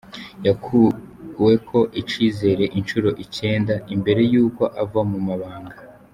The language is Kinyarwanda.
Yakuweko icizere incuro icenda, imbere yuko ava mu mabanga.